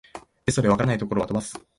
テストで解らないところは飛ばす